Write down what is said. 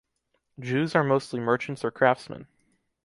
Jews are mostly merchants or craftsmen.